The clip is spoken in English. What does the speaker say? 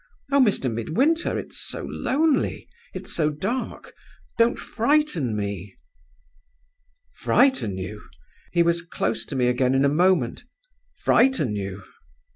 Oh, Mr. Midwinter, it's so lonely, it's so dark don't frighten me!' "'Frighten you!' He was close to me again in a moment. 'Frighten you!